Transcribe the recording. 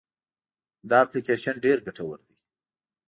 دا اپلیکیشن ډېر ګټور دی.